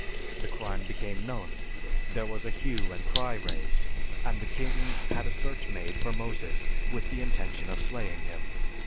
The crime became known, there was a hue and cry raised, and the king had a search made for Moses with the intention of slaying him.